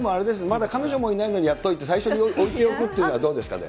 まだ彼女もいないのにやっといて、最初に置いておくっていうのはどうですかね。